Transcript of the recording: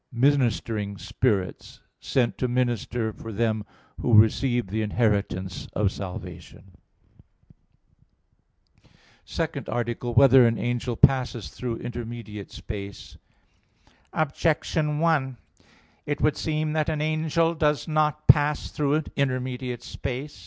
'] ministering spirits, sent to minister for them who receive the inheritance of salvation." _______________________ SECOND ARTICLE [I, Q. 53, Art. 2] Whether an Angel Passes Through Intermediate Space? Objection 1: It would seem that an angel does not pass through intermediate space.